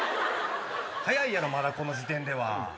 早いやろまだこの時点では。